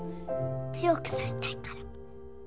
強くなりたいから。